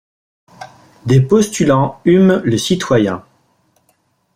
Des postulants hument le citoyen.